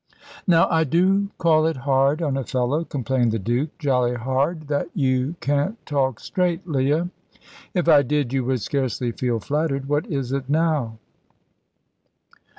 "Now I do call it hard on a fellow," complained the Duke "jolly hard that you can't talk straight, Leah." "If I did you would scarcely feel flattered. What is it now?"